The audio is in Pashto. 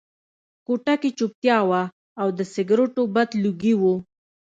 کوټه کې چوپتیا وه او د سګرټو بد لوګي وو